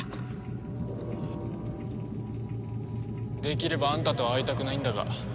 できればあんたとは会いたくないんだが。